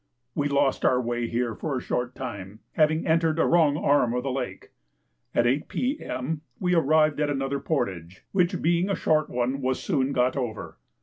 We lost our way here for a short time, having entered a wrong arm of the lake. At 8 P.M. we arrived at another portage, which being a short one was soon got over.